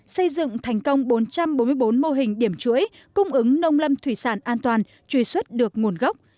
xây dựng thành công bốn trăm bốn mươi bốn mô hình điểm chuỗi cung ứng nông lâm thủy sản an toàn truy xuất được nguồn gốc